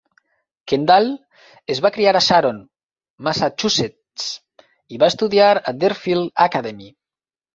Kendall es va criar a Sharon, Massachusetts, i va estudiar a Deerfield Academy.